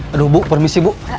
aduh bu permisi bu